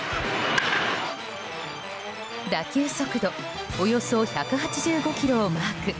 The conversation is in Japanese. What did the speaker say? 打球速度およそ１８５キロをマーク。